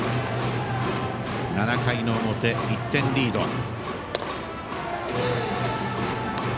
７回の表、１点リード。